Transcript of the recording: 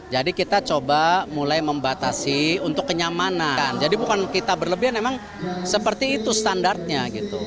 jadi bukan kita berlebihan memang seperti itu standarnya